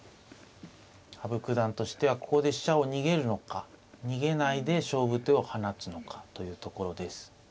羽生九段としてはここで飛車を逃げるのか逃げないで勝負手を放つのかというところです。